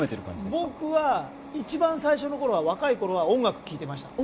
僕は一番最初の頃は若い頃は音楽を聴いてました。